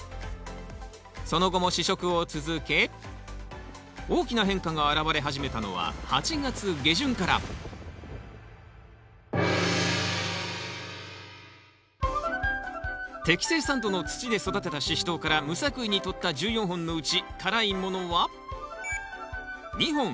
その後も試食を続け大きな変化があらわれ始めたのは８月下旬から適正酸度の土で育てたシシトウから無作為にとった１４本のうち辛いものは２本。